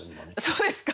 そうですか？